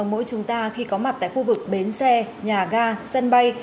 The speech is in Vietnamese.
mỗi chúng ta khi có mặt tại khu vực bến xe nhà ga sân bay